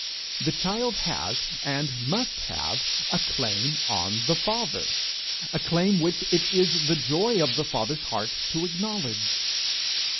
The child has, and must have, a claim on the father, a claim which it is the joy of the father's heart to acknowledge.